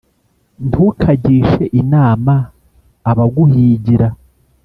Ntukagishe inama abaguhigira;